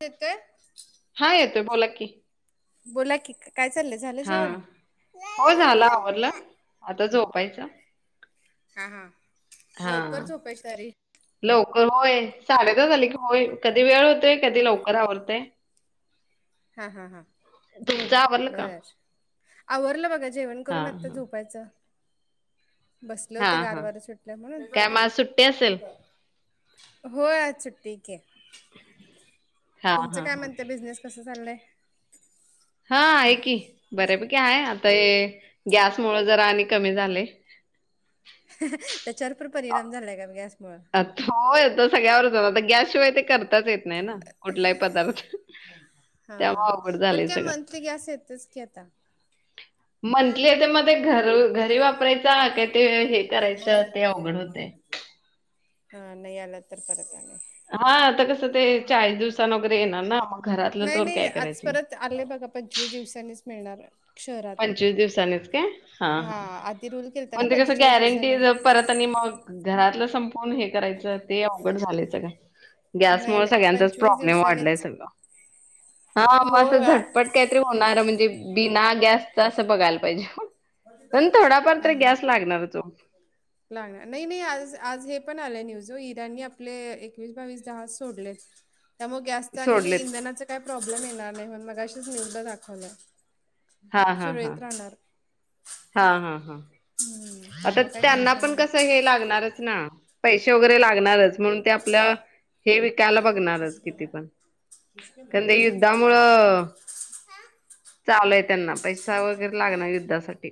ठिकय? हा येतोय, बोला की. बोला की, काय चाल्लयं. झालं जेवण? हां. [inaudible] हो झालं आवरलं. आता झोपायचं. हा, हा. लवकर हां. झोपायची तयारी. लवकर होय. साडेेदहा झाले की. होय, कधी वेळ होतोय, कधी लवकर आवरतय. हा, हा, हा तुमचं आवरलं का? बरं आवरलं बघा जेवण करून हां, आता हां. झोपायचं. बसले होते हां, गार हां. वारं सुटलयं म्हणून. काय मग आज सुट्टी असेल? होय आज सुट्टी आहे की हां, तुमचं हां, काय हां. म्हणतेय बिझनेस कसं चाल्लाय? हा आहे की बऱ्यापैकी आहे आता हे गॅसमुळं जरा आणि कमी झालंय. त्याच्यावर पण परिणाम झालाय का गॅसमुळं. होय तो सगळ्या वरचं आता गॅसशिवाय ते करताच येत नाही ना. कुठलाही पदार्थ. हा त्यामुळं हां अवघड पण झालंय काय सगळं. मंथली गॅस येतोचं की आता मंथली येतंय मग ते घर घरी वापराय- - बांधु या होतंय. की हा नाही आला तर परत आणि हा आता कसं ते चाळीस दिवसानं वगैरे येणार ना मग घरातलं तवर काय करायचं. आलेय बघा पंचवीस दिवसांनीच मिळणार. शहरात पंचवीस दिवसांनीच काय हां हां आधी रूल केलता ना पण ते कस गॅरंटी दिवसांनी. परत आणि मग घरातलं संपून हे करायचं ते अवघड झालंय सगळं. नाही, गॅसमुळं नाही सगळ्यांचाच प्रॉब्लेम वाढलाय दिवसांनीच. सगळं. हा मग हो असं आ झटपट काहीतरी होणार म्हणजे बिना गॅस च असं बघायला पाहिजे, पण थोडाफार तर हां, हां. गॅस लागणारच ओ. लागणार नाही, नाही आज आज हे पण आलंय न्यूज इराणनी आपले एकवीस, बावीस जहाज सोडलेत. त्यामुळं गॅसच आणि सोडलेत इंधनाचा काय प्रॉब्लेम येणार नाही म्हणून मघाशीच न्यूजला दाखवल्यात. हा हा हा सुरळीत राहणार. हा, हा, हं, हा आता त्यामुळे काही त्यांना टेन्शन पण नाही. कसं हे लागणारच ना. पैसे वगैरे लागणारचं म्हणून ते आपलं हे विकायला बघणारच अं, किती पण. खरं तर हं. युद्धामुळं चालू आहे त्यांना पैसा वगैरे लागणार युद्धासाठी.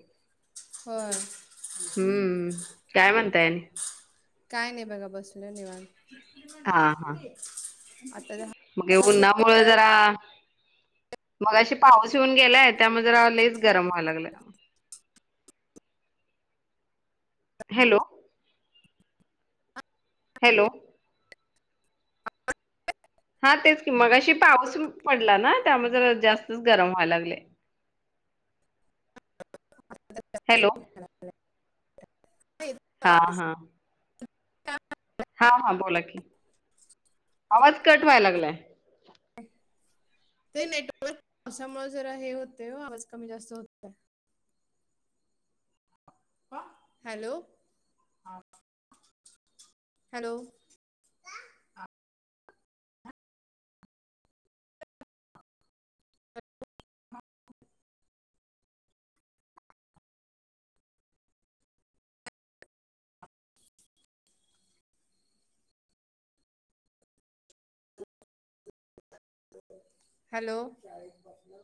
होय. हम्म, काय म्हणताय आणि? काय नाही बघा बसलोय निवांत, आता दा मगे उन्हामुळं जरा मगाशी पाऊस येऊन गेलाय त्यामुळं जरा लयचं गरम व्हाय लागलंय. हॅलो. हॅलो. हा तेच की मगाशी पाऊस पडला ना त्यामुळे जरा जास्तच गरम व्हायला लागलंय. हॅलो. खूप हां हां. हा हा बोला की, आवाज कट व्हाय लागलाय. ते नेटवर्क पावसामुळे जरा हे होतंय ओ आवाज कमी जास्त होत हॅलो हॅलो. हॅलो.